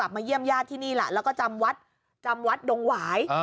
มาเยี่ยมญาติที่นี่แหละแล้วก็จำวัดจำวัดดงหวาย